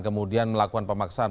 kemudian melakukan pemaksaan